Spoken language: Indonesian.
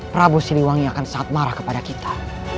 prabu siliwangi akan sangat marah kepada kita